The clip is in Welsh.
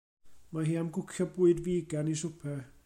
Mae hi am gwcio bwyd figan i swper.